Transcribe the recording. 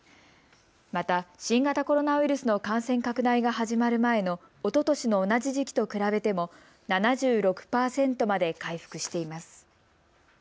また、新型コロナウイルスの感染拡大が始まる前のおととしの同じ時期と比べても７６％まで回復しています。